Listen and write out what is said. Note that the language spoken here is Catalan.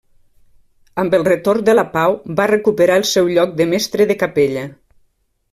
Amb el retorn de la pau, va recuperar el seu lloc de mestre de capella.